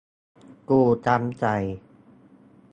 กูช้ำใจ